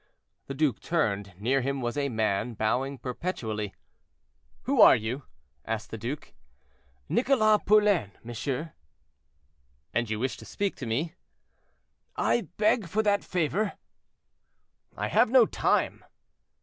The duke turned. Near him was a man, bowing perpetually. "Who are you?" asked the duke. "Nicholas Poulain, monsieur." "And you wish to speak to me?" "I beg for that favor." "I have no time."